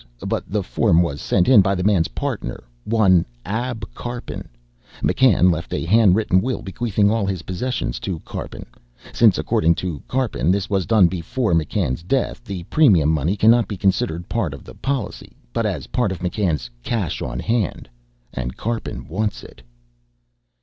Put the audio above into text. But the form was sent in by the man's partner, one Ab Karpin. McCann left a hand written will bequeathing all his possessions to Karpin. Since, according to Karpin, this was done before McCann's death, the premium money cannot be considered part of the policy, but as part of McCann's cash on hand. And Karpin wants it."